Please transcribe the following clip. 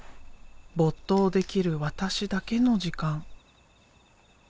没頭できる私だけの時間。